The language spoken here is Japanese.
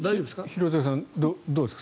廣津留さん、どうですか。